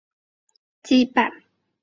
他们一起体会到共享疼痛的羁绊。